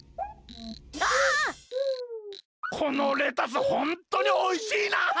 このレタスホントにおいしいなあ！